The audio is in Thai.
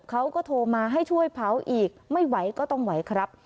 เขาก็โทรมาให้ช่วยเผาอีกไม่ไหวก็ต้องไหวครับ